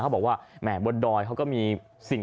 เขาบอกว่ามันบดอยเขาก็มีสิ่ง